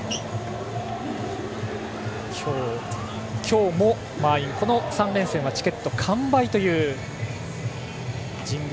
今日も満員、この３連戦はチケット完売という神宮。